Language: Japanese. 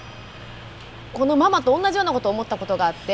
このママとおんなじようなこと思ったことがあって。